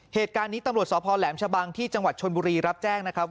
เหตุการณ์นี้ตำรวจสพแหลมชะบังที่จังหวัดชนบุรีรับแจ้งนะครับ